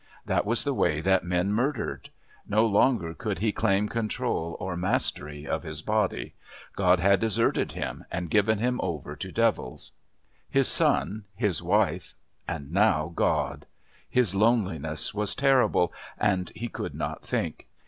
That was the way that men murdered. No longer could he claim control or mastery of his body. God had deserted him and given him over to devils. His son, his wife, and now God. His loneliness was terrible. And he could not think.